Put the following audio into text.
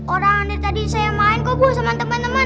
orang nade tadi saya main kok bu sama temen temen